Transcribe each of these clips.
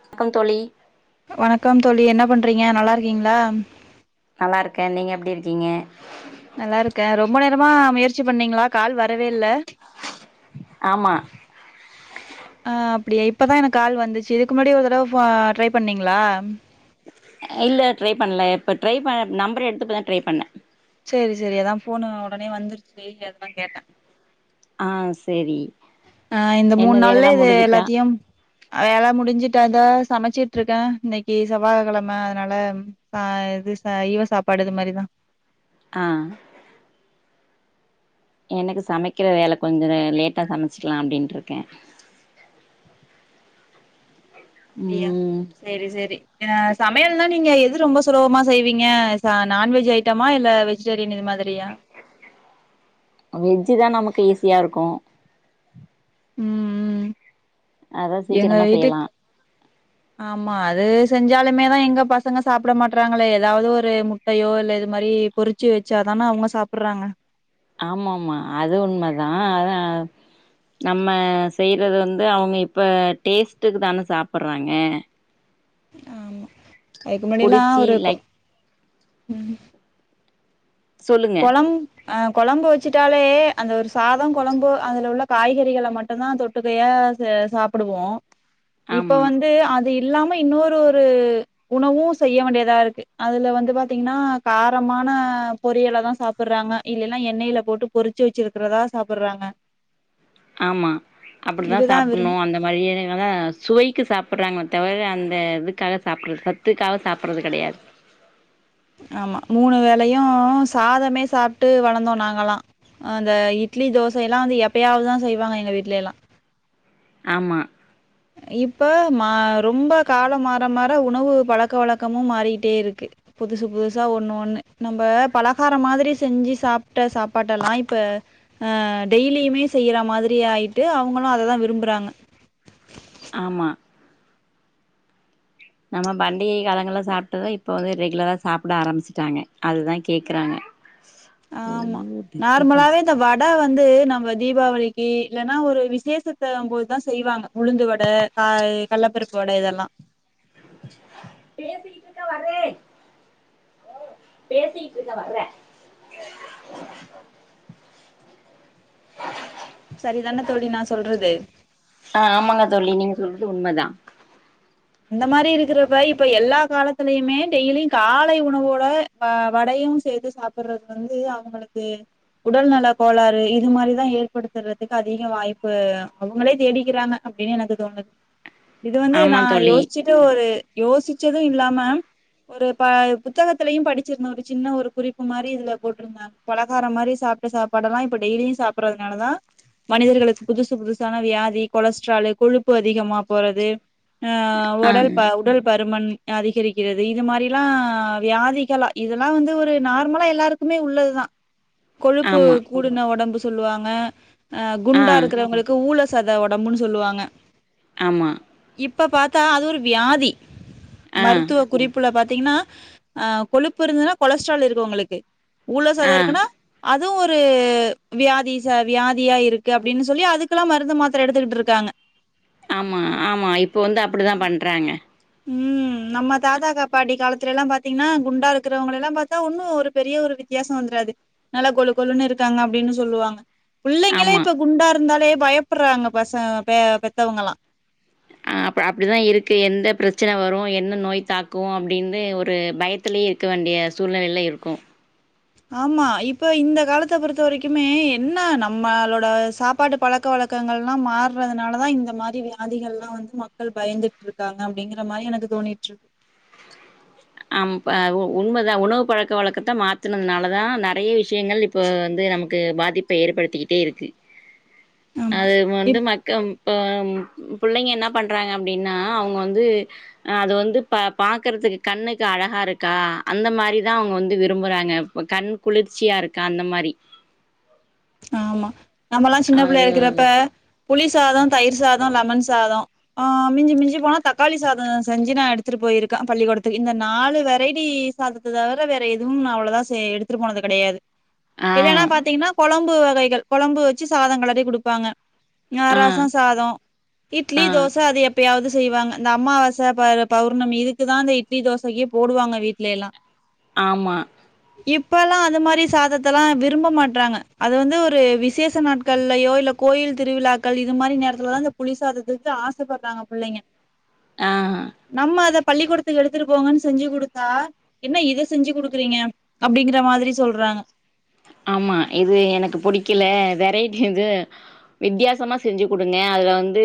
வணக்கம் தோழி வணக்கம் தோழி என்ன பண்றீங்க நல்லா இருக்கீங்களா நல்லா இருக்கேன் நீங்க எப்டி இருக்கீங்க நல்லா இருக்கேன் ரொம்ப நேரமா முயற்சி பண்ணீங்களா கால் வரவே இல்ல ஆமா ஆஹ அப்ஈடியா இப்பதான் எனக்கு கால் வந்துச்சு இதுக்கு முன்னாடி ஒரு தடவ ட்ரை பண்ணீங்களா இல்ல ட்ரை பண்ல இப்போ ட்ரை பண்ண நம்பர் எடுத்து இப்ப தா ட்ரை பண்ணேன் செரி செரி அதான் ஃபோன் உடனே வந்துருச்சு செ அதா கேட்டேன் ஆ சேரி ஆ இந்த மூணு என்ன நாள்ல வேலல்லா இது முடிஞ்சுட்டா எல்லாத்தையும் வேல முடிஞ்சுட்டுந்தான் சமைச்சிட்டு இருக்கேன் இன்னைக்கு செவ்வாய கிழமை அதனால ச இது ச சைவ சாப்பாடு இது மாரிதான் ஆ எனக்கு சமைக்கிற வேல கொஞ்சம் லேட்டா சமைச்சக்கலாம் அப்டின்ட்டு இருக்கேன் அப்டியா ம் செரி செரி அ சமையல்னா நீங்க எது ரொம்ப சுலபமா செய்வீங்க ச நான்வெஜ் ஐட்டமா இல்ல வெ ஜிடேரியன் இது மாதிரியா வெஜ்ஜு தா நமக்கு ஈஸியா இருக்கும் ம் ம் அதா எங்க சீக்கிரமா வீட்டுக் செய்யலா ஆமா அது செஞ்சாலுமேதா எங்க பசங்க சாப்பிட மாட்டறாங்களே எதாவது ஒரு மு முட்டையோ இல்ல இது மாரி பொறிச்சு வச்சாதான அவுங்ளு சாப்பிற்றாங்க ஆமா ஆமா அது உண்மதா அதா நம்ம செய்றது வந்து அவுங்க இப்ப டேஸ்ட்டுக்குதான சாப்பற்றாங்க ஆமா அதுக்கு முன்னாடியெல்லா புடிச்சி ஒரு லைக் ம் சொல்லுங்க கொழம் ஆ கொழம்பு வெச்சுட்டாலே அந்த ஒரு சாதோ கொழம்பு அதுல உள்ள காய்கறிகள மட்டுந்தா தொட் ட்டக்கயா ச சாப்பிடுவோ இப்ப ஆமா வந்து அ து இல்லாம இன்னொரு ஒரு உணவு செய்ய வேண்டியதா இருக்கு அதுல வந்து பாத்தீங்கினா காரமான பொரியல் தா சாப்பற்றாங்க இல்லேனா எண்ணெயில போட்டு பொறிச்சு வெச்சிருக்கிறதா சாப்பற்றாங்க ஆமா அப்படித்தா இதுதா விரும் சாப்பிண்ணு அந்த மாரி இவங்களா சுவைக்கு சாப்பிட்றாங்க தவிர அந்த இதுக்காக சாப்பிட்றது சத்துக்காக சாப்பிட்றது கெடையாது ஆமா மூணு வேலையு சாதமே சாப்ட்டு வளந்தோ நாங்கலா அந்த இட்லி தோசயெல்லா வந்து எப்பயாவ்துதா செய்வாங்க எங்க வீட்லயெல்லா ஆமா இப்ப ம ரொம்ப காலம் மாற மாற உணவு பழக்க வழ க்கமு மாறிகிட்டே இருக்கு புதுசு புதுசா ஒண்ணு ஒண்ணு நம்ம பலகாரம் மாதிரி செஞ்சு சாப் ட்ட சாப்பாட்டெல்லா இப்ப ஆ டெய்லியுமே செய்யற மாதிரி ஆயிட்டு அவங்களு அததா விரும்புறாங்க ஆமா நம்ம பண்டிகை காலங்கள சாப்டத இப்ப வந்து ரெகுலரா சாப்பிட ஆரம்பிச்சட்டாங்க அதுதா கேக்குறாங்க ஓ ஆமா டிஸ்டபன்ஸ் நார்மலாவே இந்த வ ட வந்து நம்ம தீபாவளிக்கு இல்லன்னா ஒரு விசேஷத்த போதுதா செய்வாங்க உளுந்து வட க கள்ளப்பருப்பு வட இதெல்லா பேசட்டு இருக்க வரறே பேசட்டு இருந்த வர்றேன் சரிதான தோழி நா சொல்றது ஆ ஆமாங்க தோழி நீங்க சொல்றது உண்மதா அந்த மாரி இருக்கிறப்ப இப்ப எல்லா காலத்திலயுமே டெய்லியு காலை உணவோட வ வடயு சேத்து சாப்பற்றது வந்து அவுங்களுக்கு உடல்நல கோளாறு இது மாரிதா ஏற்படுத்துறதுக்கு அதிக வாய்ப்பு அவுங்களே தேடிக்கிறாங்க அப்டின் எனக்கு தோணுது இது வந்து நா ஆமா தோழி யோஸ்ச்சுட்டு ஒரு யோசிச்சது இல்லாம ஒரு ப புத்தகத்துலயு படிச்சிருந்த ஒரு சின்ன ஒரு குறிப்பு மாரி இதுல போட்ருந்தா ங்க பலகாரம் மாரி சாப்ட சாப்பாடெல்லா இப்ப டெய்லியு சாப்பட்றதுனாலதா மனிதர்களுக்கு புதுசு புதுசான வியாதி கொலஸ்ட்ராலு கொழுப்பு அதிகமா போறது ஆ ஆ ஒடல் ப உடல் பருமன் அதிகரிக்கிறது இது மாரிலா வியாதிகலா இதெல்லா வந்து ஒரு நார்மலா எல்லாருக்குமே உள்ளதுதா கொழுப்பு ஆமா கூடுன ஒடம்பு சொல்லுவாங்க அ ஆ குண்டா இருக்குறவங்களுக் கு ஊழ சத ஒடம்புனு சொல்லுவாங்க ஆமா இப்ப பாத்தா அது ஒரு வியாதி ஆ மருத்துவ குறிப் புல பாத்தீங்கனா ஆ கொழுப்பு இருந்துதுனா கொலஸ்ட்ரால் இருக்கு உங்களுக்கு ஊழ சத ஆ இருக்குனா அது ஒரு வியாதி ச வியாதியா இருக்கு அப்டின்னு சொல்லி அதுக்குல்லா மருந்து மாத்தர எடுத்துக்கிட்ருக்காங்க ஆமா ஆமா இப்போ வந்து அப்டி தா பண்றாங்க ம் நம்ம தாத்தா கா பாட்டி காலத்துலெல்லா பாத்தீங்கன்னா குண்டா இருக்குறவங்கலெல்லா பாத்தா ஒன்னு ஒரு பெரிய ஒரு வித்தியாசோ வந்துராது நல்லா கொலு கொலுன்னு இருக்காங்க அப்டின்னு சொல்லுவாங்க புள்ளைங்களே ஆமா இப்ப குண்டா இருந்தாலே பயப்புட்றாங்க பச பே பெத்தவங்களா அ அப்ப அப்டிதா இருக்கு எந்த பிரெச்சன வரு என்ன நோய் தாக்கு அப்டின்னு ஒரு பயத் த்துலே இருக்க வேண்டிய சூழ்நெலைல இருக்கோ ஆமா இப்ப இந்த காலத்த பொறுத்த வரைக்குமே என்ன நம்ம ளோட சாப்பாட்டு பழக்க வழக் கங்கள் மாற்றதுனால தான் இந்த மாரி கங்களா மாற்றதுனாலதா இந்த மாரி வியாதிகள்லா வந்து மக்கள் பயந்துட்ருக்காங்க அப்டிங்கிற மாரி எனக் தோனிட்ருக் அம் ப உ உண்மதா உணவு பழக்க வழக்கத்த மாத்துனதுனால தா நெறைய விஷயங்கள் இப் ப வந்து நமக்கு பாதிப்ப ஏற்படுத்திக்கிட்டே இருக்கு ஆமா அது இப்ப வந்து மக்கம் இப்ப புள்ளைங்க என்ன பண்றாங்க அப்டின்னா அவுங்க வந்து அ அது வந்து ப பாக்குறதுக் கண்ணுக்கு அழகா இருக்கா அந்த மாரி தா அவுங்க வந்து விரும்புறாங்க இப்ப கண் குளிர்ச்சியா இருக்கா அந்த மாரி ஆமா நம்மல்லா சின்ன புள்ளையா அது இருக்குறப்ப புளி சாதோ தயிர் சாதோ லெமன் சாதோ ஆ மிஞ்சி மிஞ்சி போனா தக்காளி சாத செஞ்சு நா எடுத்துட்டு போயிருக்க பள்ளிக்கூடத்துக் இந்த நாலு வெரைட்டி சாததத்த தவர வேற எதுவும் நா அவ்ளதா சே எடுத்துட்டு போனது கெடையாது ஆ, இல்லன்னா பாத்தீங்கன்னா கொழம்பு வகைகள் கொழம்பு வச்சு சாதங் கலறி குடுப்பாங்க அ ஆ, ரச சாதோ இட்லி ஆ. தோச அது எப் பயாது செய்வாங்க இந்த அமாவச ப பௌர்ணமி இதுக்கு தா இந்த இட்லி தோசைக்கே போடுவாங்க வீட்லயெல்லா ஆமா இப்பல்லா அது மாரி சாதத்தல்லா விரும்ப மாட்றாங்க அது வந்து ஒரு விசேஷ நாட்கள்லயோ இல்ல கோயில் திருவிழாக்கள் இது மாரி நேரத்துல தா புளி சாதத்துக்கு ஆச பட்றாங்க புள்ளைங்க ஆ நம்ம அத பள்ளிக்கூடத்துக்கு எடுத்துட்டு போங்கன் செஞ்சு குடுத்தா என்ன இதை செஞ்சு குடுக்குறீங்க அப்டிங்கிற மாதுரி சொல்றாங்க ஆமா இது எனக்கு புடிக்கல வெரைட்டி இது வித்தியாசமா செஞ்சு குடுங்க அதுல வந்து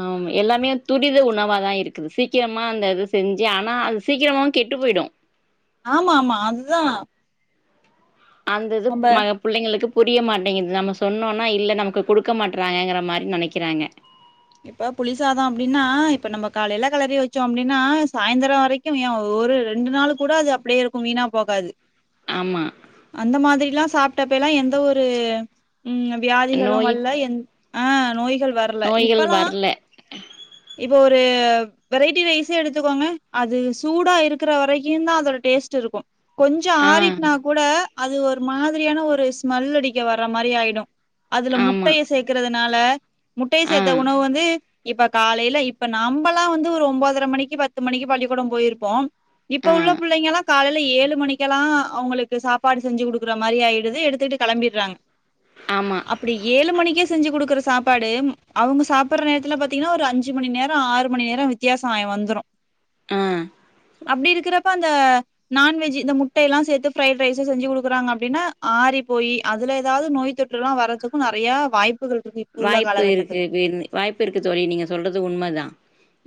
ஆமா எல்லாமே துரித உணவா தா இருக்குது சீக்கிரமா அந்த இது செஞ்சு ஆனா அது சீக்கிரமாவு கெட்டு போய்டு ஆமா ஆமா அதுதா அந்த இதுப் மகப் புள்ளைங்ளுக்கு புரிய மாட்டேங்குது நம்ம சொன்னோனா இல்ல நமக்கு குடுக்க மாட்றாங்கங்கற மாரி நெனைக்கிறாங்க இப்ப புளி சாதோ அப்டின்னா இப்ப நம்ம காலைல களறி வச்சோ அப்டின்னா சாய்ந்தரோ வரைக் [unintelligible] ஏன் ஒரு ரெண்டு நாள் கூட அது அப்டியே இருக்கு வீணா போகாது ஆமா அந்த மாதிரில்லா சாப்டப்பைலா எந்த ஒரு ம் வியாதிகளு நோய் வல்ல எந் ஆ நோய்கள் வ நோய்கள் வர்ல இதொரு வெரைட்டி ரைஸே எடுத்துக்கோங்க அது சூடா இருக்கற வரைக்கு தா அதோட டேஸ்ட்டுருக்கோ கொஞ்சோ ஆ ஆறிட்னா கூட அது ஒரு மாதிரியான ஒரு ஸ்மல் அடிக்க வர்றா மாரி ஆயிடோ அதுல ஆமா முட்டைய சேக்கற்துனால முட்டைய ஆ சேத்த உணவு வந்து இப்ப காலையில இப்ப நம்பளா வந்து ஒம்பதர மணிக்கு பத்து மணிக்கு பள்ளிக்கூடோ போயிருப்போ இப்ப ஆ உள்ள புள்ளைங்களா காலையில ஏழு மணிக்கெலா அவுங்குளுக்கு சாப்பாடு செஞ்சு குடுக்குறா மாரி ஆயிடுது எடுத்துட்டு கெளம்பிற்றாங் ஆமா இப்டி ஏழு மணிக்கே செஞ்சு குடுக்குற சாப்பாடு அவுங்க சாப்பற்ற நேர்துல பாத்தீங்ன்னா ஒரு அஞ்சு மணி நேரோ ஆறு மணி நேரோ வித்தியாச ஆயி வந்துடோ ஆ அப்டி இருக்கிறப்ப அந்த நான்வெஜி இந்த முட்டையெலா சேத்து ஃப்ரைட் ரைஸ்சு செஞ்சு குடுக்கறாங்க அப்டினா ஆரி போயி அதுல எதாவ்து நோய் தொட் றுலா வர்றத்துக்கு நறைய வாய்ப் வாய்ப்பு இருக்கு பெர்னி வாய்ப்பு இருக்கு தோழி நீங்க சொல்றது உண்மதா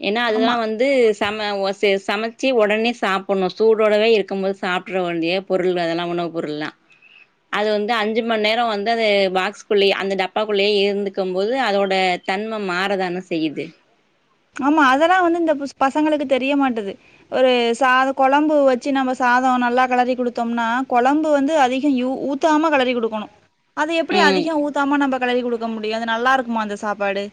ஏன்னா அதுதா ஆமா. வந்து சம ஓ செ சமச்சு ஒடனே சாப்புண்ணோ சூடோடவே இருக்கும் போதே சாப்ட்ற வேண்டியப் பொருள்வ அதலா உணவு பொருள்லா அது வந்து அஞ்சு மண்நேரோ வந்து அது பாக்ஸ்குள்ளேயே அந்த டப்பாக்குள்ளேயே இர் ந்துக்கும் போது அதோட தன்மம் மாறதான செய்யுது ஆமா அதலா வந்து இந்த புஸ் பசங்களுக்கு தெரிய மாட்டது ஒரு சாதோ கொழம்பு வச்சு நம்ம சாதோ நல்லா கலறி குடுத்தோம்னா கொழம்பு வந்து அதிக யூ ஊத் தாம கலறி குடுக்கணு அது எப்பிடி ம் அதிக ஊத்தாம நம்ப கலறி குடுக்க முடியு அது நல்லா இருக்குமா அந்த சாப்பாடு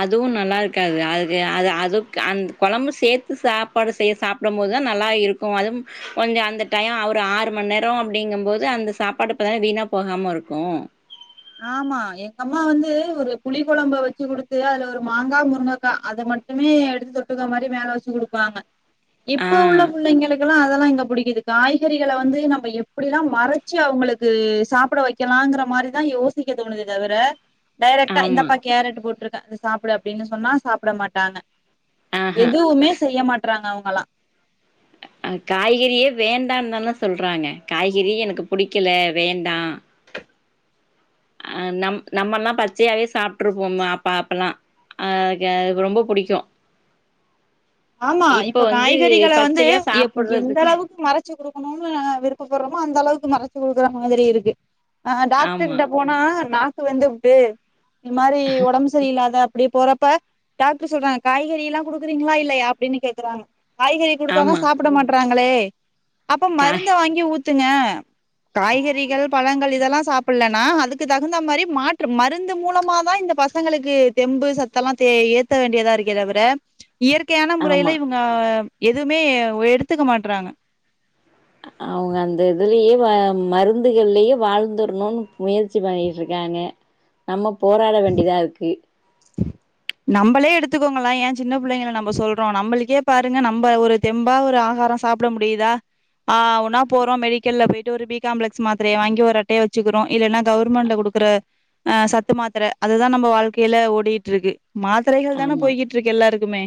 அதுவும் நல்லா இருக்காது அதுக்கு அது அதுக் அந்த கொழம்பு சேத்து சாப்பாடு செய்ய சாப் டும் போதுதா நல்லா இருக்கு அதுவும் கொஞ்ச அந்த டயு அவ்ரு ஆறு மண்நேரோ அப்டிங்கும்போது அந்த சாப்பாடு அப்பதா வீணாபோகாமருக்கு ஆமா எங்க அம்மா வந்து ஒரு புளி கொழம்ப வெச்சு குடுத்து அதுல ஒரு மாங்கா ஒரு முருங்கக்கா அத மட் டுமே எடுத்து தொட்டுக்க மாரி மேல வெச்சு குடுப்பாங்க இப்ப ஆ உள்ள புள்ளைங்களுக்குலா அதலா எங்க புடிக்குது காய்கறிகள வந்து நம்ம எப்டிலா மறச்சு அவுங்குளுக்கு சாப்ட வைக்கலாங்குறா மாரி தா யோசிக்க தோணுது தவிர டேரெக்டா இந்த ஆமா ப கேரட்டு போட்ருக்க இத சாப்டு அப்டினு சொன்னா சாப்ட மாட்டாங்க ஆஹா எதுவுமே செய்ய மாட் றாங்க அவுங்களா அவுங் காய்கறியே வேண்டான் தான சொல்றாங்க காய்கறியே எனக்கு புடிக்கல வேண்டா அ நம் நம்மல்லா பச்சையாவே சாப்ருப்போமா அப்பா அப்பலா அ ஓகே அதுக்கு ரொம்போ புடிக்கோ ஆமா இப்ப காய்கறிகள வந்து எப் எந்த சாப்புட்றதுக்கு அளவுக்கு மறச் சி குடுக்குனோன்னு விருப்பபட்ரோமோ அந்த அளவுக்கு மறச்சு குடுக்றா மாதிரி இருக்கு அ அ டாக்ட்ரு ஆமா கிட்ட போனா நாக்கு வெந்துபுட்டு இம்மாரி ஒடம்சரியில்லாத அப்டி போறப்ப டாக்ட்ரு சொல்றாங்க காய்கறில்லா குடுக்குறீங்ளா இல்லயா அப்டின்னு கேக்கறாங்க காய்கறி குடுத்தாதா ஆமா சாப்புட மாட்றாங்களே அப்ப காய் மருந்த வாங்கி ஊத்துங்க காய்கறிகள் பழங்கள் இதெல்லா சாப் ப்பிலனா அதுக்கு தகுந்த மாரி மாற்று மருந்து மூலமா தா இந்த பசங்களுக்கு தெம்பு சத்தெல்லாம் தே ஏத் த்தவேண்டியதா இருக்கே தவிர இயற்கை கையான முறையில ஆமா இவுங்க எதுவுமே எடுத்துக்க மாட்றாங்க அவுங்க அந்த இதுலயே வ மருந்துகள்லயே வாழ்ந்துரணுனு முயற்சி பண்ணிட் இருக்காங்க நம்ம போராட வேண்டியதா இருக்கு நம்மளே எடுத்துக்கோங்களே ஏ சின்ன பிள்ளைங்கள நம்ப சொல்றோ நம்மளுக்கே பாருங்க நம்ப ஒரு தெம்பா ஒரு ஆகாரோ சாப்ட முடியுதா ஆ ஊனா போறோ மெடிக்கல்ல போய்ட்டு ஒரு பி காம்ப்ளெக்ஸ் மாத்திரைய வாங்கி ஒரு அட்டைய வச்சுகுறோ இல்லனா கவர்மெண்ட்ல குடு க்ற அ சத்து மாத்திர அதுதா நம்ப வாழ்க்கைல ஒட் டிட்ருக்கு மாத்திரைகள் தான ஆமா போய்கிட்ருக்கு எல்லாருக்குமே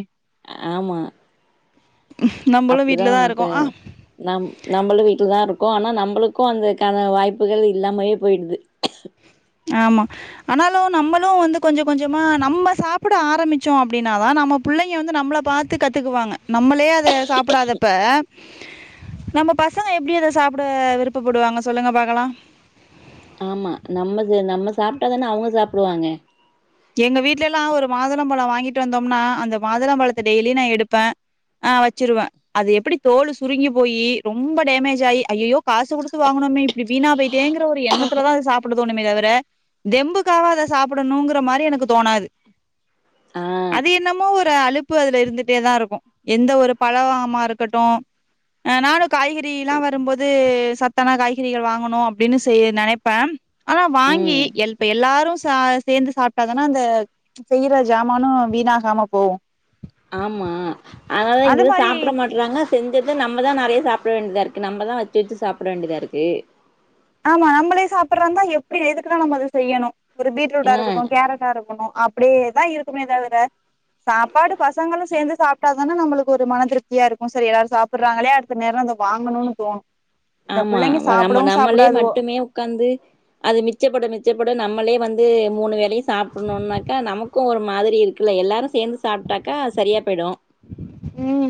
ஆமா நம்மளு அப்டிதா வீட்ல தா அப்ப இருக்கோ ஆ நம் நம்மலு வீட்டுலதா இருக்கோ ஆனா நம்ளுக்கு அந்தக்கான வாய்ப்புகள் இல்லாமே போயிடுது ஆமா ஆனாலு நம்மளு வந்து கொஞ்சோ கொஞ்சமா நம்ம சாப்பிட ஆரம்பிச்சோ அப்படின்னாதா நம்ம புள்ளைங்க வந்து நம்மள பாத்து கத்துக்குவாங்க நம்மளே அத சாப்பிடாதப்ப நம்ம பசங்க எப்டி அத சாப்ட விருப்பப்படுவாங்க சொல்லுங்க பாக்கலா ஆமா நம்மள்து நம்ம சாப்ட்டாதான அவங்க சாப்டுவாங்க எங்க வீட்ல எல்லா ஒரு மாதுளம்பழோ வாங்கிட்டு வந்தோம்னா அந்த மாதுளம்பழத்த டெய்லி நா எடுப்பே அ வச்சிருவே அது எப்டி தோல் சுருங்கி போயி ரொம்ப டேமேஜ் ஆயி ஐயயோ காசு குடுத்து வாங்குனோமே இப்டி வீணா போய் டேங்கிற ஒரு எண்ணத்துல தா சாப்புட தோணுமே தவிர தெம்புக்காவ அத சாப்டணுங்கிற மா தி எனக்கு தோணாது ஆ அது என்னமோ ஒரு அலுப் பு அதுல இருந்துகிட்டே தா இருக்கு எந்த ஒரு பழமா இருக்கட்டு அ நானு காய்கறி லா வரும்போது சத்தானா காய்கறிகள் வாங்கணு அப்டின்னு சே நெனப்பே ஆனா வாங்கி ம் எல் இப்ப எல்லாரு ச சேந்து சாப் புட்டா தான அந்த செய்யற சாமானோ வீணாகாம போவு ஆமா அதனால தா அது இத மாரி சாப்ட மாட் றாங்க செஞ்சத நம்மதா நெறய சாப்ட வேண்டியதா இருக்கு நம்மதா வச்சு வச்சு சாப்ட வேண்டியதா இருக்கு ஆமா நம்ளே சாப்ட்றா இருந்தா எப்டி எதுக்குன்னா நம்ம அத செய்யணு ஒரு பீட்ரூட்டா ஆ இருக்கட்டு கேரட்டா இருக்கணு அப் அப்டியேதா இருக்குமே தவிர சாப்பாடு பசங்களு சேர்ந்து சாப்ட்டாதானா நமளுக்கு ஒரு மன திருப்தியா இருக்கு சரி எல்லாரு சாப் சாப்டுறாங்களே அடுத்த நேரோ அத வாங்கணுனு தோணு இந்த ஆமா பிள்ளைங்க நம்ம சாப்பிடவு நம்மளே மட்டுமே உக்காந்து அது மிச்சப்பட மிச்சப்பட நம்மளே வந்து மூனு வேலையு சாப்புட்ணுனாக்க நமக்கு ஒரு மாதிரி இருக்குல்ல எல்லாரு சேந்து சாப்ட்டாக்கா சரியா போய்டு ம்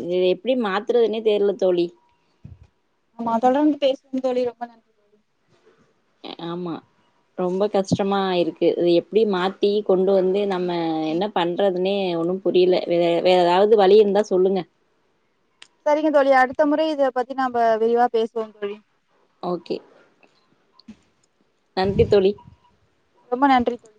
இத இத எப்டி மாத்றதுன்னே தெர்ல தோழி ஆமா தொடர்ந்து பேசுவோம் தோழி ரொம்ப நன்றி ஆமா ரொம்ப கஷ்டமா இருக்கு இது எப்டி மாத் தி கொண்டு வந்து நம்ம என்ன பண்றது னே ஒன்னும் புரியல வே வேற ஏதாது வழி இருந்தா சொல்லுங்க சரிங்க தோழி அடுத்த முறை இத பத்தி நாம்ப விரிவா பேசுவோம் தோழி ஓகே நன்றி தோழி ரொம்ப நன்றி தோழி